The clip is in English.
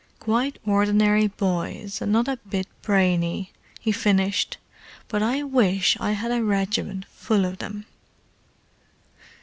"Quite ordinary boys, and not a bit brainy," he finished. "But I wish I had a regiment full of them!"